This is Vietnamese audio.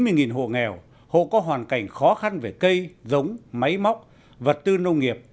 hàng năm giúp hơn bảy trăm chín mươi hộ nghèo hộ có hoàn cảnh khó khăn về cây giống máy móc vật tư nông nghiệp